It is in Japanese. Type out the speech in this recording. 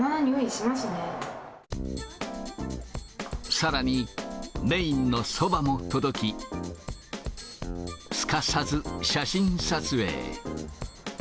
さらに、メインのそばも届き、すかさず写真撮影。